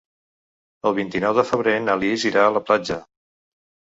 El vint-i-nou de febrer na Lis irà a la platja.